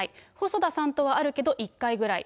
細田さんとはあるけど１回ぐらい。